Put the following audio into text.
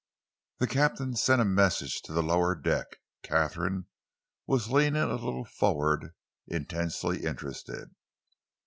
The captain sent a message to the lower deck. Katharine was leaning a little forward, intensely interested.